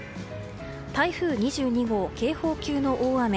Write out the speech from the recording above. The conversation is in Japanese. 台風２２号、警報級の大雨。